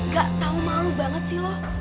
gak tahu malu banget sih lo